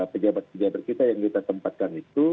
pejabat pejabat kita yang kita tempatkan itu